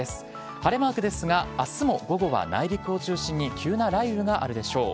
晴れマークですが、あすも午後は内陸を中心に急な雷雨があるでしょう。